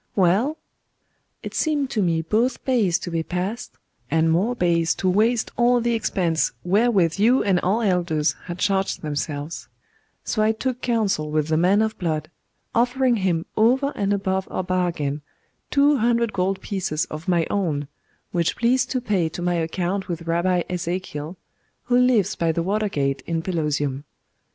'Well?' 'It seemed to me both base to be passed, and more base to waste all the expense wherewith you and our elders had charged themselves; so I took counsel with the man of blood, offering him over and above our bargain, two hundred gold pieces of my own, which please to pay to my account with Rabbi Ezekiel, who lives by the watergate in Pelusium.